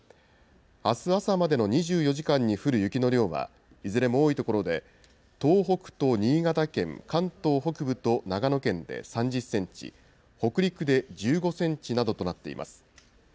あす朝までの２４時間に降る雪の量は、いずれも多い所で、東北と新潟県、関東北部と長野県で３０センチ、北陸で１５セントなどとなっています。